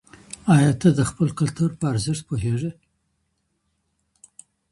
آیا ته د خپل کلتور په ارزښت پوهېږې؟